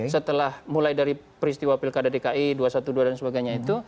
setelah mulai dari peristiwa pilkada dki dua ratus dua belas dan sebagainya itu